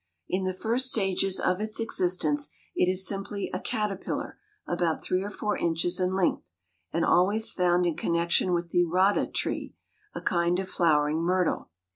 In the first stages of its existence it is simply a caterpillar about three or four inches in length, and always found in connection with the rata tree, a kind of flowering myrtle.